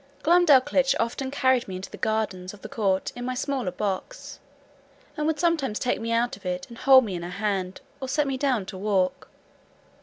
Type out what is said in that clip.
Glumdalclitch often carried me into the gardens of the court in my smaller box, and would sometimes take me out of it, and hold me in her hand, or set me down to walk.